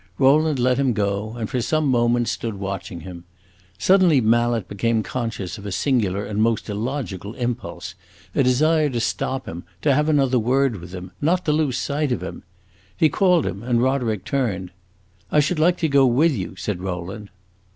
Rowland let him go, and for some moments stood watching him. Suddenly Mallet became conscious of a singular and most illogical impulse a desire to stop him, to have another word with him not to lose sight of him. He called him and Roderick turned. "I should like to go with you," said Rowland.